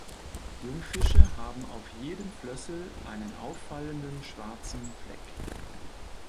Jungfische haben auf jedem Flössel einen auffallenden schwarzen Fleck.